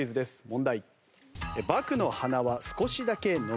問題。